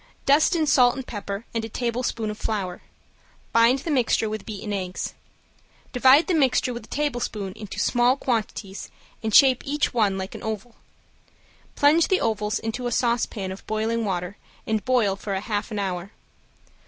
Dust in salt and pepper and a tablespoonful of flour. Bind the mixture with beaten eggs. Divide the mixture with a tablespoon into small quantities and shape each one like an oval. Plunge the ovals into a saucepan of boiling water and boil for a half an hour.